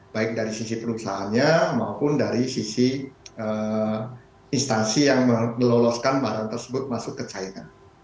baik dari sisi perusahaannya maupun dari sisi instansi yang meloloskan barang tersebut masuk ke china